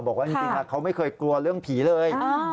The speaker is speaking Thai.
บอกว่าจริงเขาไม่เคยกลัวเรื่องผีเลย